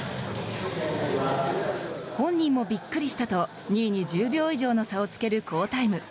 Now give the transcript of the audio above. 本人もびっくりしたと２位に１０秒以上の差をつける好タイム。